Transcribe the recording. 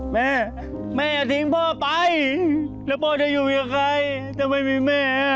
แม่แม่ทิ้งพ่อไปแล้วพ่อจะอยู่กับใครจะไม่มีแม่